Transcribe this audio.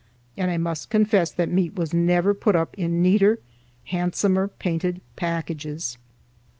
And I must confess that meat was never put up in neater, handsomer painted packages."